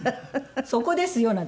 「そこですよ」なんて。